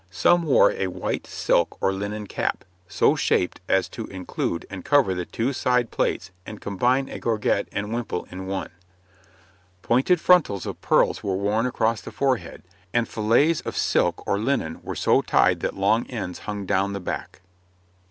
Some wore a white silk or linen cap, so shaped as to include and cover the two side plaits and combine a gorget and wimple in one. Pointed frontals of pearls were worn across the forehead, and fillets of silk or linen were so tied that long ends hung down the back.